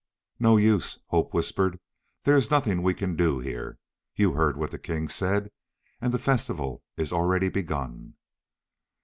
"No use," Hope whispered. "There is nothing we can do here. You heard what the king said and the festival is already begun."